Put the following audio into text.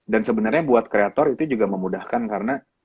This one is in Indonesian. dan sebenernya buat kreator itu juga memudahkan karena